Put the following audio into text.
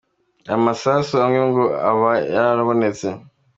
Aya masasu amwe ngo akaba yarabonetse.